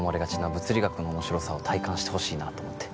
物理学の面白さを体感してほしいなと思って